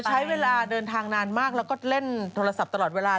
ใช้เวลาเดินทางนานมากแล้วก็เล่นโทรศัพท์ตลอดเวลา